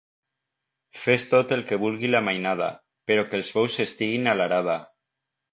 Fes tot el que vulgui la mainada, però que els bous estiguin a l'arada.